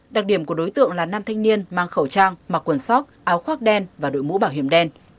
đặc điểm của đối tượng là nam thanh niên mang khẩu trang mặc quần sóc áo khoác đen và đội mũ bảo hiểm đen